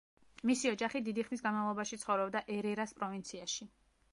მისი ოჯახი დიდი ხნის განმავლობაში ცხოვრობდა ერერას პროვინციაში.